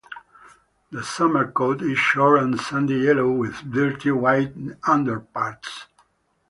The summer coat is short and sandy-yellow, with dirty white underparts.